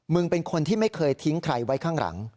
เป็นคนที่ไม่เคยทิ้งใครไว้ข้างหลัง